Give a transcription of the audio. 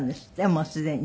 もうすでに。